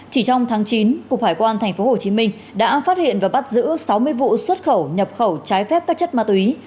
chỉ trong tháng chín cục hải quan tp hcm đã phát hiện và bắt giữ sáu mươi vụ xuất khẩu nhập khẩu trái phép các chất ma túy